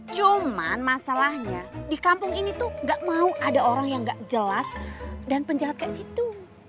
cuman masalahnya di kampung ini tuh gak mau ada orang yang gak jelas dan penjahat kayak situ